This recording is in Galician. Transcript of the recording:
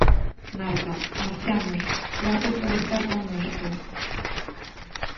Marta: Marchamos, grazas por estar connosco.